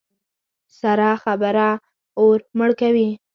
سړه خبره اور مړه کوي.